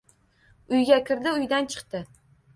Uyga kirdi-uydan chiqdi.